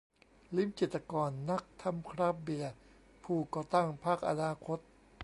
ลิ้มจิตรกร นักทำคราฟต์เบียร์ ผู้ก่อตั้งพรรคอนาคต